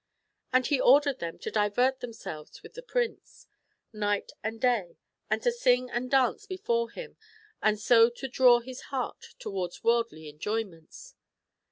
And he ordered them to divert themselves with the prince, night and day, and to sing and dance before him, so as to draw his heart towards worldly enjoyments.